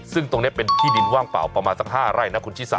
ซึ่งตรงนี้เป็นที่ดินว่างเปล่าประมาณสัก๕ไร่นะคุณชิสา